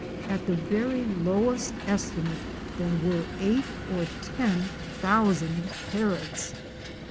At the very lowest estimate there were eight or ten thousand parrots.